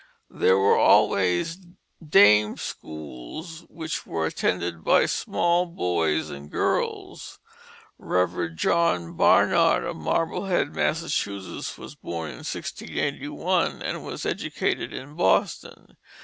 There were always dame schools, which were attended by small boys and girls. Rev. John Barnard, of Marblehead, Massachusetts, was born in 1681 and was educated in Boston.